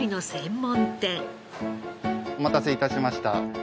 お待たせ致しました。